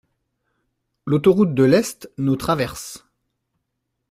L’autoroute de l’Est nous traverse.